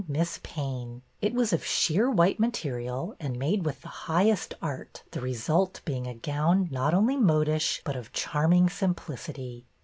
Miss Payne. It was of sheer white ma terial and made with the highest art, the result being a gown not only modish, but of charming simplicity.